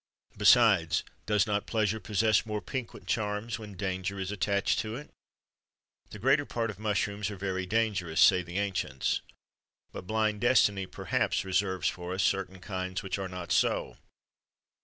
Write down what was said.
Besides, does not pleasure possess more piquant charms when danger is attached to it? The greater part of mushrooms are very dangerous, say the ancients;[XXIII 118] but blind destiny, perhaps, reserves for us certain kinds which are not so.